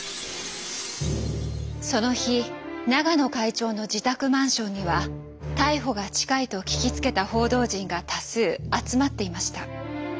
その日永野会長の自宅マンションには逮捕が近いと聞きつけた報道陣が多数集まっていました。